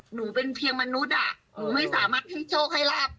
หนูเป็นเพียงมนุษย์หนูไม่สามารถให้โชคให้ลาบ